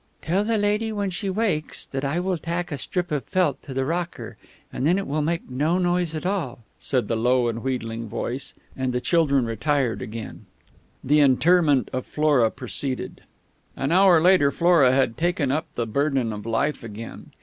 "Tell the lady, when she wakes, that I will tack a strip of felt to the rocker, and then it will make no noise at all," said the low and wheedling voice; and the child retired again. The interment of Flora proceeded.... An hour later Flora had taken up the burden of Life again.